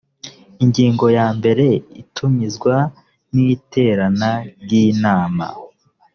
ingingo ya mbere itumizwa n iterana ry inama